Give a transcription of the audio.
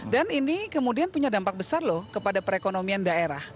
dan ini kemudian punya dampak besar loh kepada perekonomian daerah